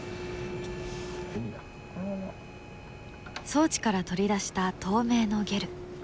装置から取り出した透明のゲル。